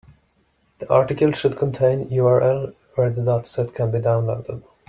The article should contain URL where the dataset can be downloaded.